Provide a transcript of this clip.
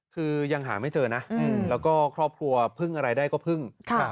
คือยังหาไม่เจอนะแล้วก็ครอบครัวพึ่งอะไรได้ก็พึ่ง